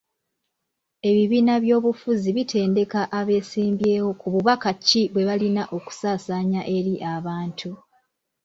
Ebibiina by'obufuzi bitendeka abesimbyewo ku bubaka ki bwe balina okusaasaanya eri abantu.